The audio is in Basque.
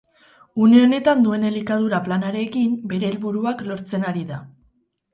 Une honetan duen elikadura planarekin, bere helburuak lortzen ari da.